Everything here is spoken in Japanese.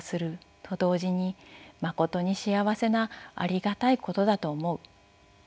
と同時にまことに幸せなありがたいことだと思う」。